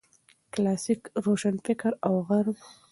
کلاسیک روشنفکر او غرب